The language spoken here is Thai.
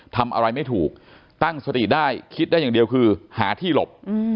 ทำอะไรไม่ถูกตั้งสติได้คิดได้อย่างเดียวคือหาที่หลบ